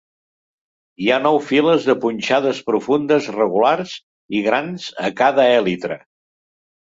Hi ha nou files de punxades profundes regulars i grans a cada èlitre.